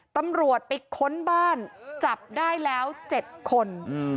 ตำรวจไปค้นบ้านจับได้แล้ว๗คน